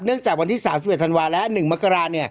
เนื่องจากวันที่๓๑ธันวาคมและ๑มกราคม